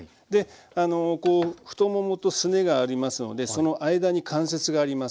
あのこう太ももとすねがありますのでその間に関節があります。